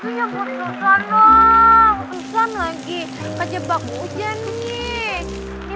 susan lagi kejebak ujannya